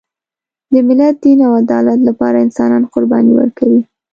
د ملت، دین او عدالت لپاره انسانان قرباني ورکوي.